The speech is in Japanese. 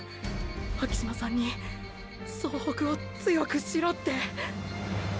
巻島さんに総北を強くしろって。